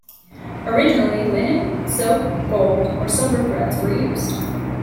Originally linen, silk, gold, or silver threads were used.